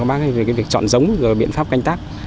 các bác về cái việc chọn giống và biện pháp canh tác